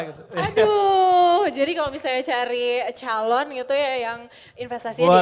aduh jadi kalau misalnya cari calon yang investasinya di sbn